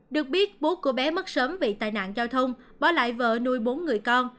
được biết bố của bé mất sớm vì tài nạn giao thông bỏ lại vợ nuôi bốn người con